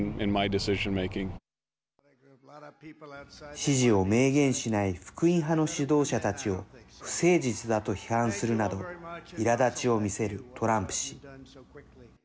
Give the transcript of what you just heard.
支持を明言しない福音派の指導者たちを不誠実だと批判するなどいらだちを見せるトランプ氏。